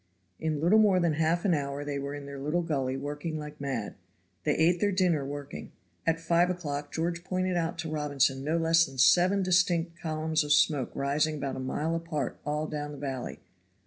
In little more than half an hour they were in their little gully working like mad. They ate their dinner working. At five o'clock George pointed out to Robinson no less than seven distinct columns of smoke rising about a mile apart all down the valley.